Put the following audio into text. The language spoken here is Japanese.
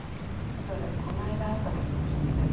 それこの間会った時も聞いてたよ。